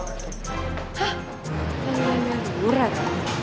hah panggilan darurat